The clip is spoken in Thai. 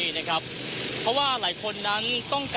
ติดตามการรายงานสดจากคุณทัศนายโค้ดทองค่ะ